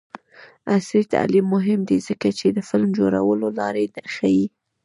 عصري تعلیم مهم دی ځکه چې د فلم جوړولو لارې ښيي.